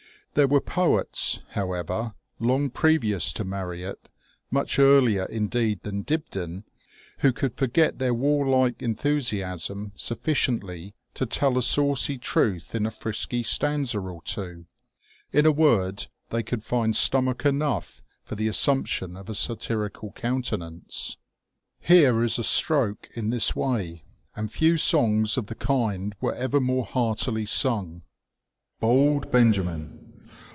There were poets, however, long previous to Marryat, much earlier indeed than Dibdin, who could forget their warlike enthusiasm sufficiently to tell a saucy truth in a frisky stanza or two. In a word, they could find stomach enough for the assumption of a satirical countenance. TEE OLD NAVAL SEASONQ. 239 Here is a stroke in this way, and few songs of the kind were ever more heartily sung : BOLD BENJAMIN.